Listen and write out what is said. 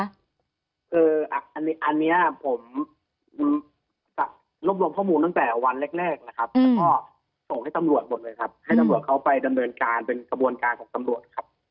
อันนี้ผมรวบรวมข้อมูลตั้งแต่วันแรกนะครับแล้วก็ส่งให้ตำรวจหมดเลยครับให้ตำรวจเขาไปดำเนินการเป็นกระบวนการของตำรวจครับ